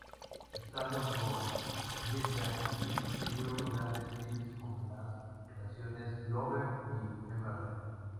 Estando con Decca, Lee consiguió grandes hits con las canciones "Lover" y "Mr.